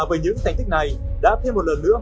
với những thành tích này đã thêm một lần nữa